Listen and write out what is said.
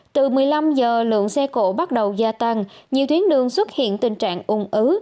từ một mươi năm h lượng xe cổ bắt đầu gia tăng nhiều tuyến đường xuất hiện tình trạng ung ứ